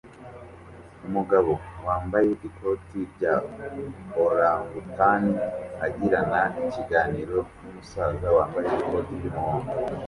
Umugabo wambaye ikoti rya orangutani agirana ikiganiro numusaza wambaye ikoti ry'umuhondo